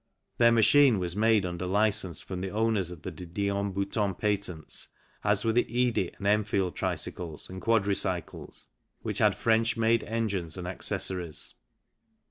Their machine was made under licence from the owners of the De Dion Bouton patents, as were the Eadie and Enfield tricycles and quadricycles which had French made engines and accessories.